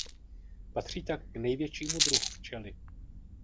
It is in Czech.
Patří tak k největšímu druhu včely.